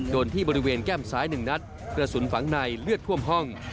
โดนที่บริเวณแก้มซ้ายหนึ่งนัดเกลือสุนฝังในเลือดคว่มห้อง